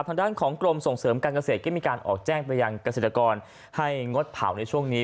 ทางด้านของกรมส่งเสริมการเกษตรก็มีการออกแจ้งไปยังเกษตรกรให้งดเผาในช่วงนี้